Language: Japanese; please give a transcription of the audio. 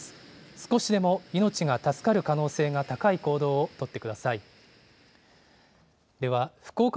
少しでも命が助かる可能性が高い行動を取ってください。